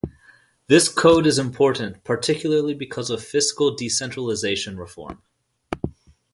This Code is important particularly because of fiscal decentralization reform.